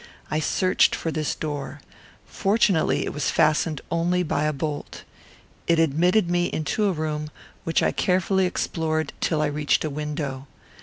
I searched for this door. Fortunately it was fastened only by a bolt. It admitted me into a room which I carefully explored till I reached a window.